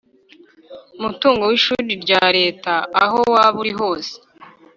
Umutungo w ishuri rya Leta aho waba uri hose